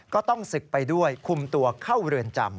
ก็ต้องศึกไปด้วยคุมตัวเข้าเรือนจำ